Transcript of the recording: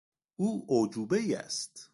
او اعجوبهای است.